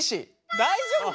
大丈夫か！？